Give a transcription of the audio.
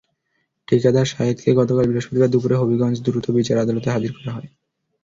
ঠিকাদার শাহেদকে গতকাল বৃহস্পতিবার দুপুরে হবিগঞ্জ দ্রুত বিচার আদালতে হাজির করা হয়।